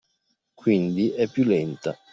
Quindi è più “lenta”.